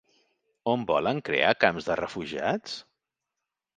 On volen crear camps de refugiats?